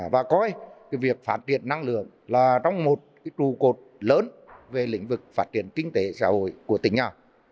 và coi việc phát triển năng lượng là trong một trụ cột lớn về lĩnh vực phát triển kinh tế xã hội của tỉnh nhà